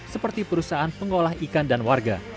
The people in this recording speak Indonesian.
seperti perusahaan pengolah ikan dan warga